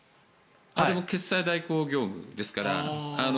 あれも決済代行業務ですから。